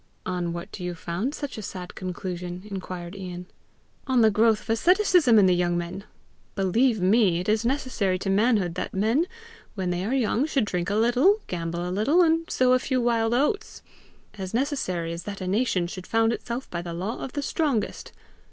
"On what do you found such a sad conclusion?" inquired Ian. "On the growth of asceticism in the young men. Believe me, it is necessary to manhood that men when they are young should drink a little, gamble a little, and sow a few wild oats as necessary as that a nation should found itself by the law of the strongest.